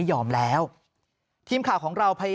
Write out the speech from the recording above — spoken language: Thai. อารมณ์ไม่ดีเพราะว่าอะไรฮะ